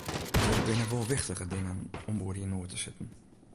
Der binne wol wichtiger dingen om oer yn noed te sitten.